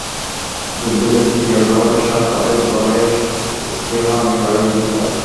যুদ্ধক্ষেত্রে প্রিয় খাবারের স্বাদ তাঁদের লড়াইয়ের স্পৃহা অনেক বাড়িয়ে দিতে পারে।